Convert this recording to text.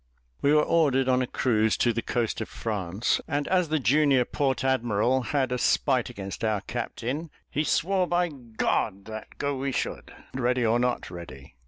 We were ordered on a cruise to the coast of France; and as the junior port admiral had a spite against our captain, he swore by that go we should, ready or not ready.